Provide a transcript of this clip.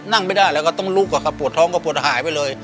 นั่งไม่ได้แล้วก็ต้องลุกอะครับปวดท้องก็ปวดหายไปเลย